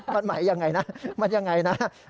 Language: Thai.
มันหมายยังไงนะมันยังไงนะ